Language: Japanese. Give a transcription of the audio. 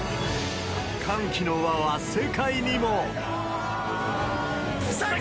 歓喜の輪は世界にも。